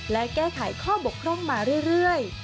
และแก้ไขข้อบกพร่องมาเรื่อย